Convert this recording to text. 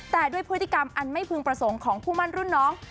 แต่ด้วยพฤติกรรมอันไม่พึงประสงค์ของคู่มั่นรุ่นน้อง